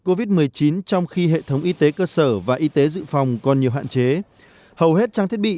covid một mươi chín trong khi hệ thống y tế cơ sở và y tế dự phòng còn nhiều hạn chế hầu hết trang thiết bị